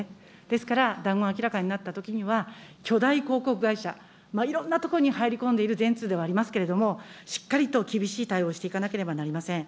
ですから、談合が明らかになったときには、巨大広告会社、いろんなところに入り込んでいる電通ではありますけれども、しっかりと厳しい対応をしていかなければなりません。